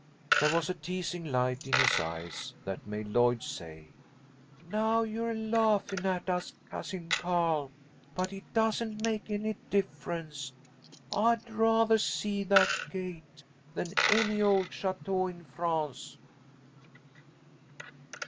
There was a teasing light in his eyes that made Lloyd say, "Now you're laughin' at us, Cousin Carl, but it doesn't make any difference. I'd rathah see that gate than any old château in France."